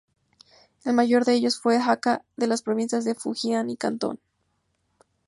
El mayor de ellos fueron los hakka de las provincias de Fujian y Cantón.